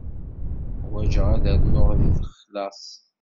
Ḥwajeɣ ad rnuɣ deg lexlaṣ.